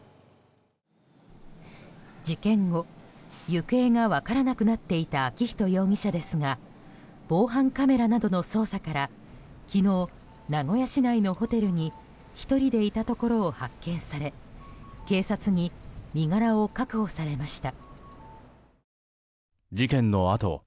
事件後行方が分からなくなっていた昭仁容疑者ですが防犯カメラなどの捜査から昨日、名古屋市内のホテルに１人でいたところを発見され警察に身柄を確保されました。